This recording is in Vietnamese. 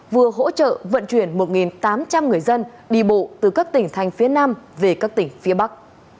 vừa hỗ trợ vận chuyển một tám trăm linh người dân đi bộ từ các tỉnh thành phía nam về các tỉnh phía bắc